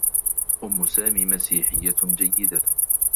أمّ سامي مسيحيّة جيّدة.